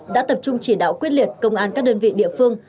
đã tập trung chỉ đạo quyết liệt công an các đơn vị địa phương